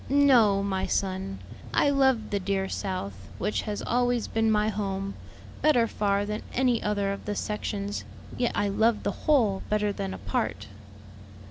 "No, my son. I love the dear South, which has always been my home, better far than any other of the sections; yet I love the whole better than a part."